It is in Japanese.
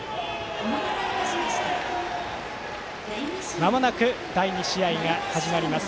まもなく第２試合が始まります。